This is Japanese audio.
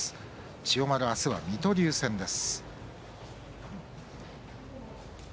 千代丸は明日は水戸龍戦です。